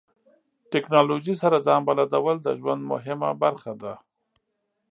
ټکنالوژي سره ځان بلدول د ژوند مهمه برخه ده.